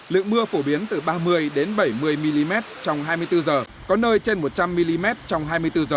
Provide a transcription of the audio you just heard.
đến bảy mươi mm trong hai mươi bốn h có nơi trên một trăm linh mm trong hai mươi bốn h